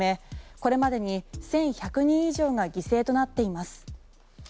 これまでに１１００人以上が犠牲となっています。